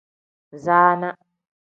Zaana.